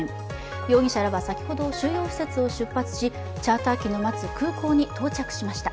容疑者らは先ほど、収容施設を出発し、チャーター機の待つ空港に到着しました。